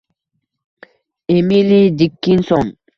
Emili Dikinson